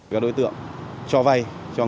các đối tượng cho vay